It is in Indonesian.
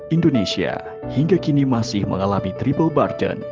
indonesia hingga kini masih mengalami triple burden